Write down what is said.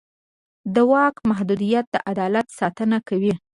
د واک محدودیت د عدالت ساتنه کوي